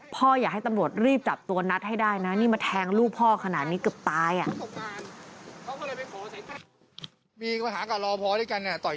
พ่ออยากให้ตำรวจรีบจับตัวนัทให้ได้นะนี่มาแทงลูกพ่อขนาดนี้เกือบตายอ่ะ